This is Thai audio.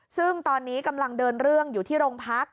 ซึ่งตอนนี้กำลังเดินเรื่องอยู่ที่โรงพัก